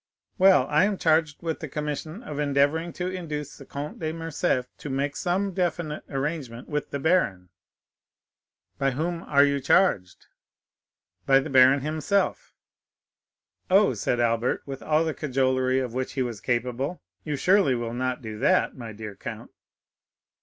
"Well, I am charged with the commission of endeavoring to induce the Comte de Morcerf to make some definite arrangement with the baron." "By whom are you charged?" "By the baron himself." "Oh," said Albert with all the cajolery of which he was capable. "You surely will not do that, my dear count?"